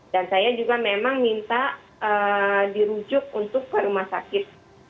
saya juga memang minta dirujuk untuk ke rumah sakit